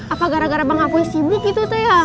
apa gara gara bang apoi sibuk gitu teh ya